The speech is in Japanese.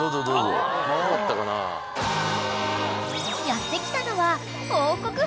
［やって来たのは］